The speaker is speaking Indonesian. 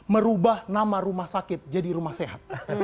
merubah nama rumah sakit jadi rumah sehat